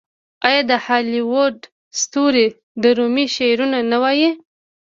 آیا د هالیووډ ستوري د رومي شعرونه نه وايي؟